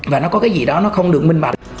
và nó có cái gì đó nó không được minh bạch